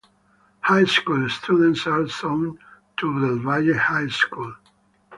High school students are zoned to Del Valle High School.